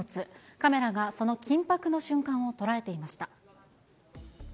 カメラがその緊迫の瞬間を捉えていました。